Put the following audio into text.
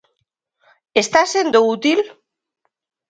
Está sendo útil?